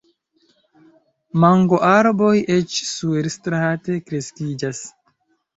Mangoarboj eĉ suerstrate kreskiĝas.